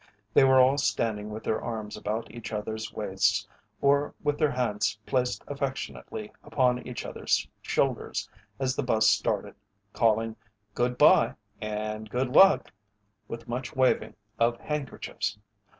They were all standing with their arms about each other's waists or with their hands placed affectionately upon each other's shoulders as the bus started, calling "Good bye and good luck" with much waving of handkerchiefs.